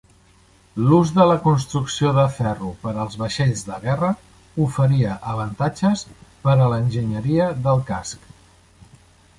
L'ús de la construcció de ferro per als vaixells de guerra oferia avantatges per a l'enginyeria del casc.